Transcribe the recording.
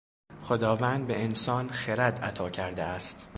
خداوند به انسان خرد عطا کرده است.